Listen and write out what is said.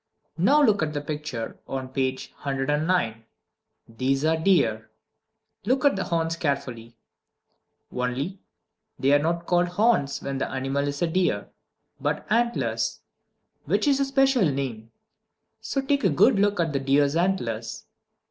Now look at the picture on page 109. These are deer. Look at the horns carefully only, they are not called horns when the animal is a deer, but antlers, which is a special name. So take a good look at the deer's antlers.